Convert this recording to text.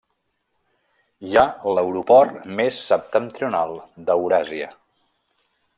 Hi ha l'aeroport més septentrional d'Euràsia.